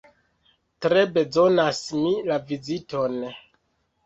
Tre bezonas mi la viziton!